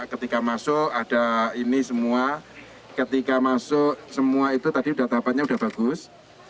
ketika masuk ada ini semua ketika masuk semua itu tadi sudah tahapannya sudah bagus